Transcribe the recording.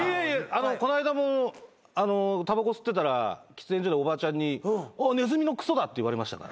こないだもたばこ吸ってたら喫煙所でおばちゃんに「あっネズミのくそだ」って言われましたから。